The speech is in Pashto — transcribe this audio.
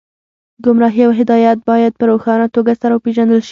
ګمراهي او هدایت باید په روښانه توګه سره وپېژندل شي